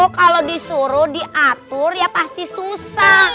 kalau disuruh diatur ya pasti susah